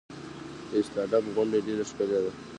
د استالف غونډۍ ډیره ښکلې ده